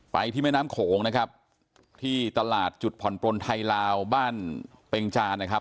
ที่แม่น้ำโขงนะครับที่ตลาดจุดผ่อนปลนไทยลาวบ้านเป็งจานนะครับ